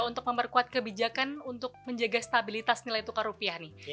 untuk memperkuat kebijakan untuk menjaga stabilitas nilai tukar rupiah nih